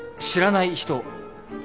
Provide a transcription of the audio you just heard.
知らない人。